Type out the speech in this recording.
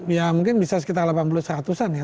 ya mungkin bisa sekitar delapan puluh seratus an ya